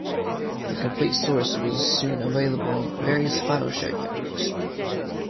The complete source was soon available in various file sharing networks.